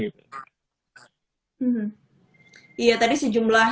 iya tadi sejumlah